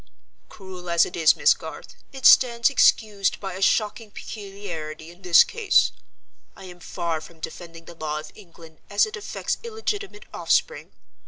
"Cruel as it is, Miss Garth, it stands excused by a shocking peculiarity in this case. I am far from defending the law of England as it affects illegitimate offspring.